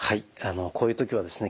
こういう時はですね